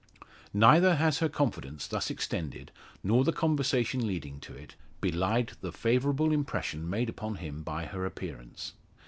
Neither has her confidence thus extended, nor the conversation leading to it, belied the favourable impression made upon him by her appearance.